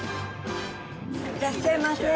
いらっしゃいませ。